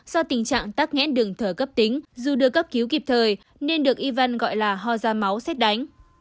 do tình trạng tắc nghẽn đường thở cấp tính dù đưa cấp cứu kịp thời nên được y văn gọi là ho ra máu xét đánh